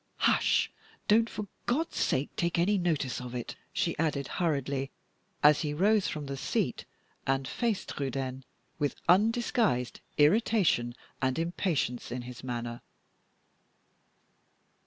"Hush! don't, for God's sake, take any notice of it," she added, hurriedly, as he rose from the seat and faced Trudaine with undisguised irritation and impatience in his manner.